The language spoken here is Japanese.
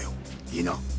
いいな？